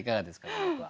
この句は。